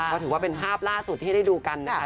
ก็ถือว่าเป็นภาพล่าสุดที่ได้ดูกันนะคะ